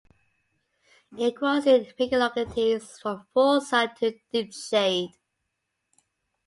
It grows in many localities from full sun to deep shade.